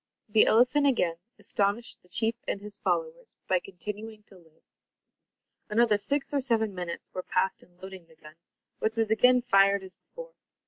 The elephant again astonished the chief and his followers, by continuing to live. Another six or seven minutes were passed in loading the gun, which was again fired as before.